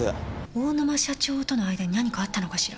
大沼社長との間に何かあったのかしら？